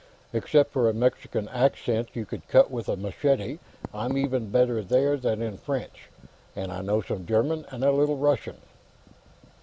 "Except for a Mexican accent you could cut with a machete, I'm even better there than in French. And I know some German, and a little Russian."